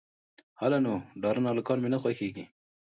_هله نو، ډارن هلکان مې نه خوښېږي.